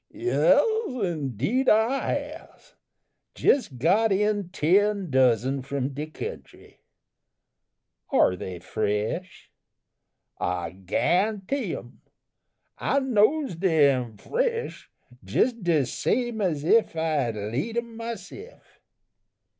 "Yes, indeed I has. Jes got in ten dozen from de kentry." "Are they fresh?" "I gua'ntee 'em. I knows dey am fresh jess de same as ef I had laid 'em myse'f."